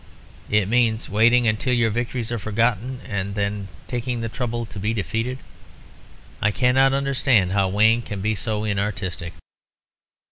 It means waiting until your victories are forgotten, and then taking the trouble to be defeated. I cannot understand how Wayne can be so inartistic.